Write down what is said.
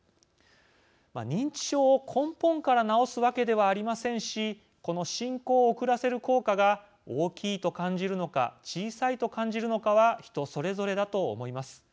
認知症を根本から治すわけではありませんしこの進行を遅らせる効果が大きいと感じるのか小さいと感じるのかは人それぞれだと思います。